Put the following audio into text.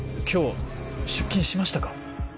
今日出勤しましたか？